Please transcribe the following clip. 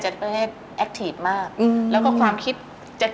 โอ้โหก็เกษียณเมื่อกันยาที่แล้ว